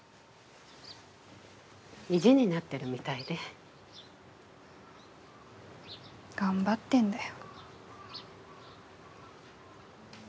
意地になっているみたいで。頑張ってんだよ。